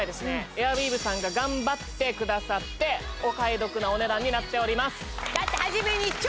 エアウィーヴさんが頑張ってくださってお買い得なお値段になっておりますだって初めに「超」